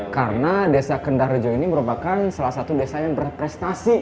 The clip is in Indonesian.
karena desa kendal rejo ini merupakan salah satu desa yang berprestasi